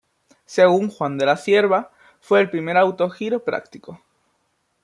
Según Juan de la Cierva, fue el primer autogiro práctico.